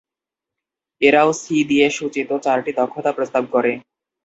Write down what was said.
এরাও 'সি' দিয়ে সূচিত চারটি দক্ষতা প্রস্তাব করে।